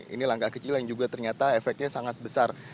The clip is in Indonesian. ini langkah kecil yang juga ternyata efeknya sangat besar